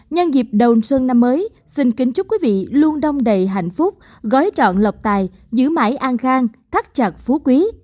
nhân dịp đầu xuân năm mới xin kính chúc quý vị luôn đông đầy hạnh phúc gói trọn lọc tài giữ mãi an khang thắt chặt phú quý